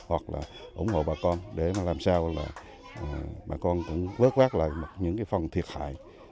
hoặc ủng hộ bà con để làm sao bà con vớt vác lại những phòng thiệt hại